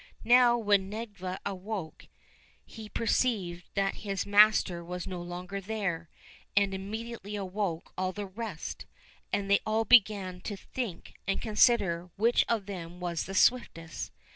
Now when Nedviga awoke he perceived that his master was no longer there, and immediately awoke all the rest, and they all began to think and consider which of them was the swiftest.